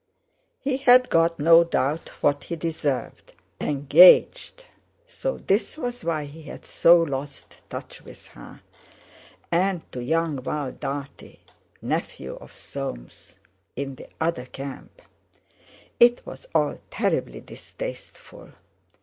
He had got, no doubt, what he deserved. Engaged! So this was why he had so lost touch with her! And to young Val Dartie—nephew of Soames—in the other camp! It was all terribly distasteful.